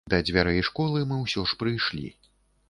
Да дзвярэй школы мы ўсё ж прыйшлі.